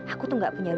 aku tuh gak punya duit